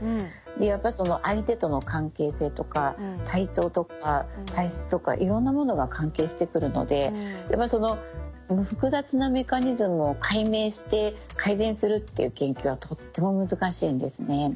やっぱその相手との関係性とか体調とか体質とかいろんなものが関係してくるのでやっぱその複雑なメカニズムを解明して改善するっていう研究はとっても難しいんですね。